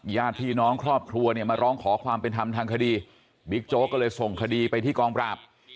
ญาติพี่น้องครอบครัวเนี่ยมาร้องขอความเป็นธรรมทางคดีบิ๊กโจ๊กก็เลยส่งคดีไปที่กองปราบ